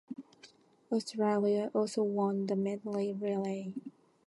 Australia also won the medley relay.